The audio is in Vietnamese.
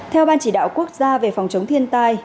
theo ban chỉ đạo quốc gia về phòng chống thiên tai